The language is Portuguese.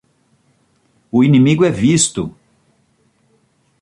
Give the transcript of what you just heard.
O inimigo é visto!